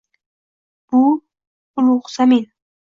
Bu ulur zamin.